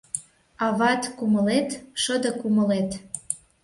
Ават кумылет — шыде кумылет.